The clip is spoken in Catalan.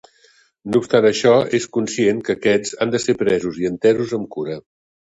No obstant això, és conscient que aquests han de ser presos i entesos amb cura.